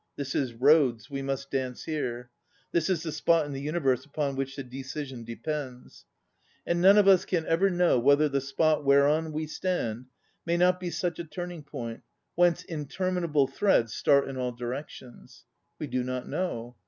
This is Rhodes ; we must dance here. This is the spot in the universe upon which the decision depends. And none of us can ever know whether the spot whereon we stand may not be such a turning point, whence interminable threads start in all directions. We do not know.